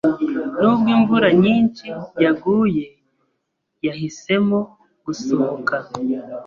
Nubwo imvura nyinshi yaguye, yahisemo gusohoka.